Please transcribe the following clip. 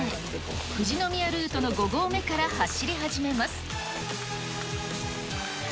富士宮ルートの５合目から走り始めます。